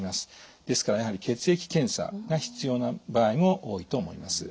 ですからやはり血液検査が必要な場合も多いと思います。